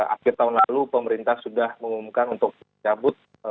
akhir tahun lalu pemerintah sudah mengumumkan untuk cabut